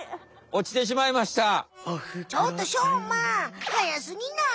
ちょっとしょうまはやすぎない？